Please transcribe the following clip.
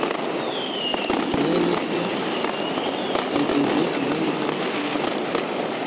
mwene so yagize amahirwe yo kubona akazi